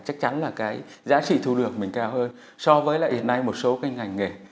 chắc chắn là cái giá trị thu được mình cao hơn so với lại hiện nay một số cái ngành nghề